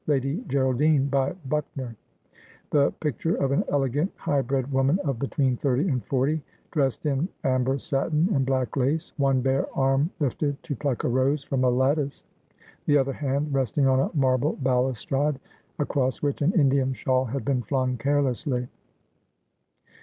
Lady Geraldine, by Buckner : the picture of an elegant highbred woman of between thirty and forty, dressed in amber satin and black lace, one bare arm lifted to pluck arose from a lattice, the other hand resting on a marble balustrade, across which an Indian shawl had been flung carelessly.